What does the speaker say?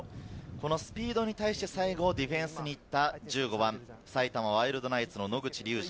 スピードに対して、最後、ディフェンスに行った１５番、埼玉ワイルドナイツの野口竜司。